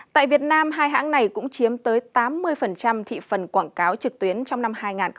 tại việt nam hai hãng này cũng chiếm tới tám mươi thị phần quảng cáo trực tuyến trong năm hai nghìn hai mươi ba